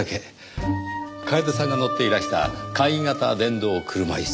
楓さんが乗っていらした簡易型電動車椅子。